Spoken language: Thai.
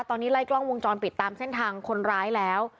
ตอนนี้ไล่กล้องวงจรปิดตามเส้นทางคนร้ายแล้ว